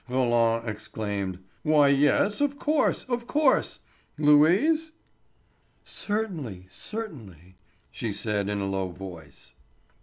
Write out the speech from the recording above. Roland exclaimed: "Why, yes, of course—of course, Louise?" "Certainly, certainly," she said in a low voice.